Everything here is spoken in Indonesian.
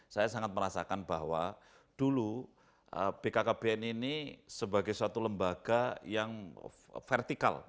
saya sangat merasakan bahwa dulu bkkbn ini sebagai suatu lembaga yang vertikal